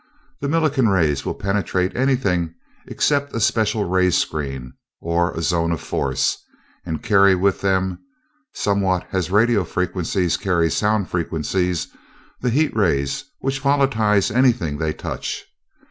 The Millikan rays will penetrate anything except a special ray screen or a zone of force, and carry with them somewhat as radio frequencies carry sound frequencies the heat rays, which volatilize anything they touch.